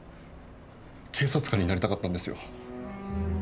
警察官になりたかったんですよ。